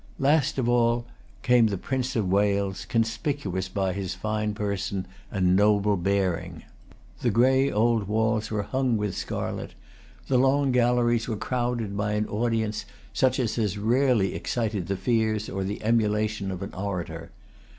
Last of all came the Prince of Wales, conspicuous by his fine person and noble bearing. The gray old walls were hung with scarlet. The long galleries were crowded by an audience such as has rarely excited the fears or the emulation of an orator.